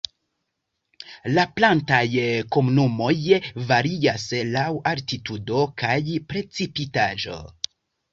La plantaj komunumoj varias laŭ altitudo kaj precipitaĵo.